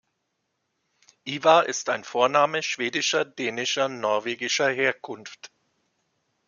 Ivar ist ein Vorname schwedischer, dänischer, norwegischer Herkunft.